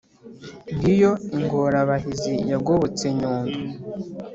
ngiyo ingorabahizi yagobotse nyundo